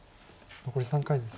残り３回です。